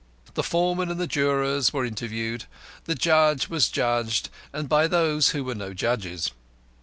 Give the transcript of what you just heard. The foreman and the jurors were interviewed, the judge was judged, and by those who were no judges.